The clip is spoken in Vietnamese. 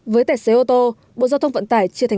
với tài xế ô tô bộ giao thông vận tải chia thành